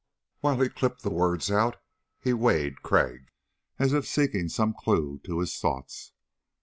While he clipped the words out he weighed Crag, as if seeking some clue to his thoughts.